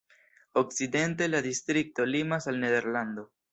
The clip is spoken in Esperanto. Okcidente la distrikto limas al Nederlando.